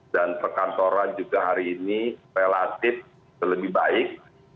dan perkantoran juga hari ini relatif lebih baik